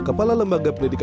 kepala lembaga pendidikan